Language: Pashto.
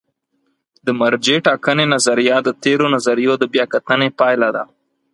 د مرجع ټاکنې نظریه د تېرو نظریو د بیا کتنې پایله ده.